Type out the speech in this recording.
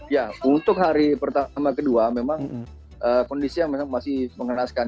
ya untuk hari pertama kedua memang kondisi yang masih mengenaskan